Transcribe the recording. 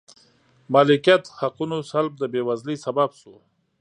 مالکیت حقونو سلب د بېوزلۍ سبب شو.